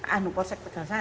anu polsek tegal sari